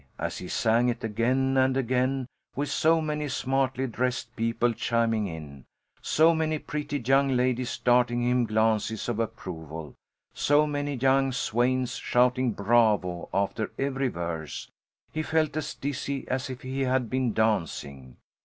As he sang it again and again, with so many smartly dressed people chiming in; so many pretty young ladies darting him glances of approval; so many young swains shouting bravo after every verse, he felt as dizzy as if he had been dancing.